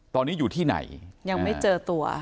ตอนนี้อยู่ที่ไหนยังไม่เจอตัว